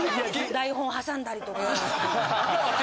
台本挟んだりとか。